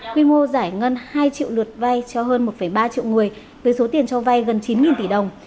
quy mô giải ngân hai triệu lượt vay cho hơn một ba triệu người với số tiền cho vay gần chín tỷ đồng